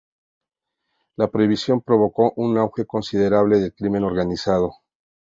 La prohibición provocó un auge considerable del crimen organizado.